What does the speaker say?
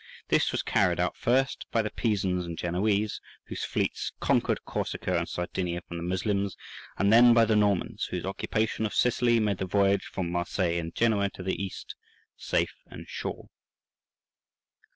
This was carried out first by the Pisans and Genoese, whose fleets conquered Corsica and Sardinia from the Moslems, and then by the Normans, whose occupation of Sicily made the voyage from Marseilles and Genoa to the East safe and sure.